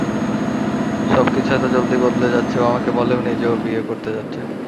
সবকিছু এত জলদি বদলে যাচ্ছে, ও আমাকে বলেওনি যে ও বিয়ে করতে যাচ্ছে।